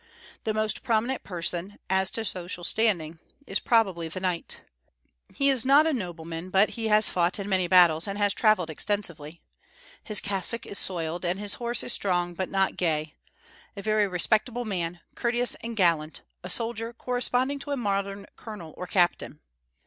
The most prominent person, as to social standing, is probably the knight. He is not a nobleman, but he has fought in many battles, and has travelled extensively. His cassock is soiled, and his horse is strong but not gay, a very respectable man, courteous and gallant, a soldier corresponding to a modern colonel or captain.